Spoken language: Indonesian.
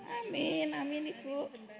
amin amin ibu